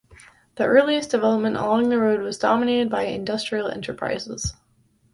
The earliest development along the road was dominated by industrial enterprises.